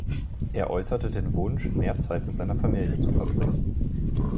Er äußerte den Wunsch, mehr Zeit mit seiner Familie zu verbringen.